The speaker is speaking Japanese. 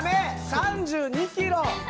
３２キロ！